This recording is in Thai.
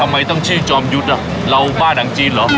ทำไมต้องชื่อจอมยุทธ์เราบ้านหนังจีนเหรอ